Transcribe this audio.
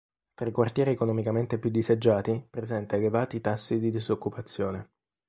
Tra i quartieri economicamente più disagiati, presenta elevati tassi di disoccupazione.